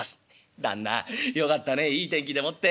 「旦那よかったねいい天気でもって。